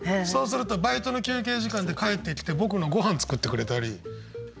そうするとバイトの休憩時間で帰ってきて僕のごはん作ってくれたり。